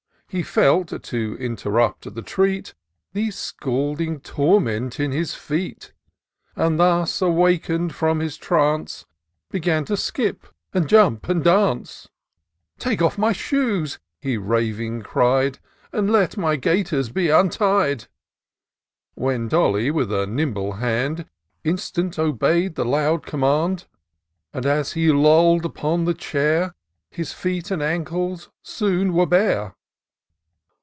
He felt, to interrupt the treat. The scalding torment in his feet ; And, thus awaken*d from his trance, Began to skip, and jump, and dance» 46 TOUR OF DOCTOR SYNTAX " Take off my shoes," he raving cried, And let my gaiters be untied ;" When Dolly, with a nimble hand. Instant obey'd the loud command ; And, as he loU'd upon the chair. His feet and ankles soon were bare.